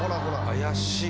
怪しい。